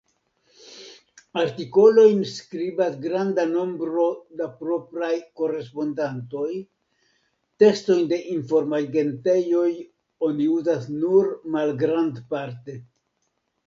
Artikolojn skribas granda nombro da propraj korespondantoj; tekstojn de informagentejoj oni uzas nur malgrandparte.